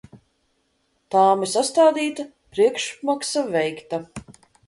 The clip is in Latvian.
Tāme sastādīta, priekšapmaksa veikta.